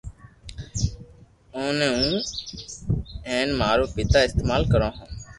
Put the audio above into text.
او ني ھون ھين مارو پيتا استمعال ڪرو ھون